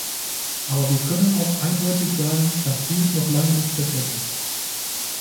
Aber wir können auch eindeutig sagen, dass dies noch lange nicht perfekt ist.